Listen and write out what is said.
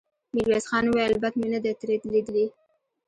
ميرويس خان وويل: بد مې نه دې ترې ليدلي.